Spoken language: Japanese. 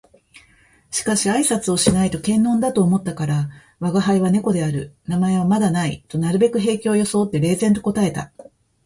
しかし挨拶をしないと険呑だと思ったから「吾輩は猫である。名前はまだない」となるべく平気を装って冷然と答えた